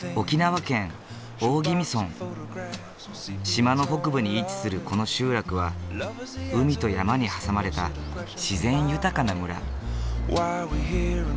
島の北部に位置するこの集落は海と山に挟まれた自然豊かな村。